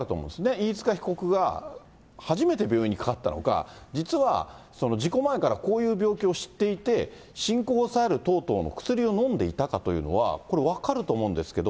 飯塚被告が初めて病院にかかったのか、実は事故前からこういう病気を知っていて、進行を抑える等々の薬を飲んでいたかというのは、これ、分かると思うんですけど。